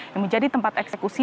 yang menjadi tempat eksekusi